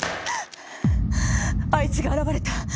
あいつが現れた。